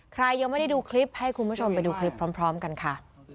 ใครยังไม่ได้ดูคลิปให้คุณผู้ชมไปดูคลิปพร้อมกันค่ะ